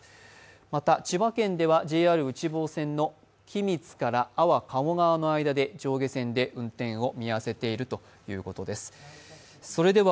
また、千葉県ではＪＲ内房線の君津から安房鴨川の間で上下線で運転を見合わせているということです。